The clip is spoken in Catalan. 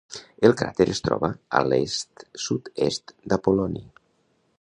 El cràter es troba a l'est-sud-est d'Apol·loni.